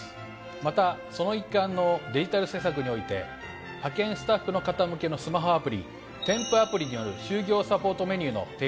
またその一環のデジタル施策において派遣スタッフの方向けのスマホアプリ「テンプアプリ」による就業サポートメニューの提供を開始しました。